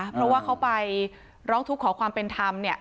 เพราะว่าเขาไปร้องทุกข์ขอความเป็นธรรม